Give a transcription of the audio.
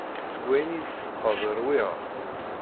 Seg wayen i yi-d teseqqaḍ ṛwiɣ.